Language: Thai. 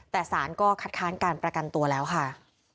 แต่สารก็คัดค้านการประกันตัวแล้วค่ะ